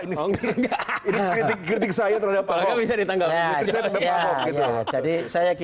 ini kritik saya terhadap ahok